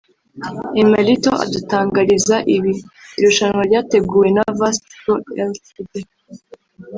Emmalito adutangariza ibi “Irushanwa ryateguwe na Vast Pro Ltd